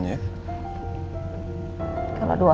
kayaknya dia bemboan di rumah